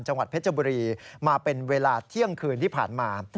จังหวัดเพชรบุรีมาเป็นเวลาเที่ยงคืนที่ผ่านมา